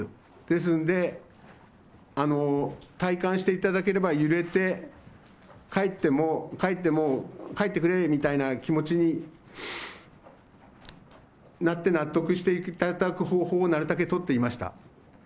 ですんで、体感していただければ揺れて、帰っても、帰ってくれみたいな気持ちになって、納得していただく方法をなるたけ取っていました。